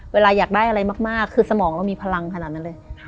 เวลาอยากได้อะไรมากคือสมองเรามีพลังขนาดนั้นเลย